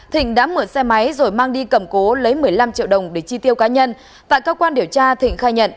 thịnh đã mượn xe máy rồi mang đi cầm cố lấy một mươi năm triệu đồng để chi tiêu cá nhân tại cơ quan điều tra thịnh khai nhận